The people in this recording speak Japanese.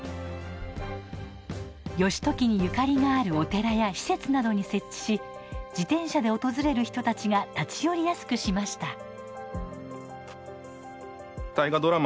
義時にゆかりがあるお寺や施設などに設置し自転車で訪れる人たちが立ち寄りやすくしました。